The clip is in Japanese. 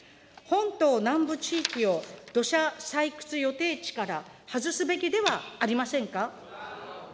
本島南部地域を土砂採掘予定地から外すべきではありませんか。